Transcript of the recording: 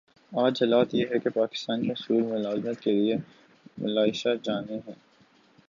آج حالت یہ ہے کہ پاکستانی حصول ملازمت کیلئے ملائشیا جاتے ہیں۔